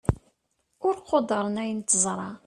ur quddren ayen teẓṛa